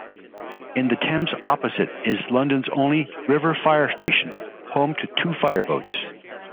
In the Thames opposite is London's only river fire station, home to two fireboats.